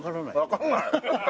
わかんない。